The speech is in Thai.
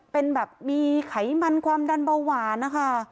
เป็นแบบมีไขมันความดันเบาหวานนะคะ